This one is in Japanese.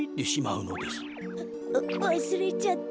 ううわすれちゃった。